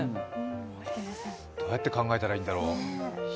どうやって考えたらいいんだろう。